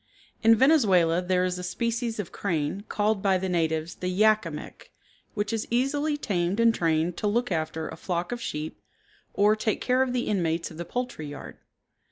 In Venezuela there is a species of crane, called by the natives the Yak a Mik, which is easily tamed and trained to look after a flock of sheep or take care of the inmates of the poultry yard.